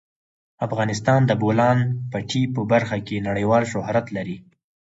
افغانستان د د بولان پټي په برخه کې نړیوال شهرت لري.